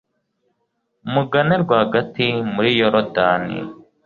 mugane rwagati muri yorudani